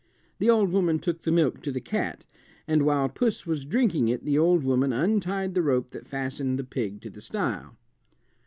The old woman took the milk to the cat, and while puss was drinking it the old woman untied the rope that fastened the pig to the stile.